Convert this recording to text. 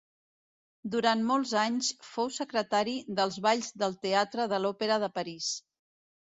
Durant molts anys fou secretari dels balls del teatre de l'Òpera de París.